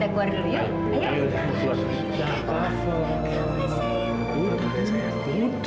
kita keluar dulu yuk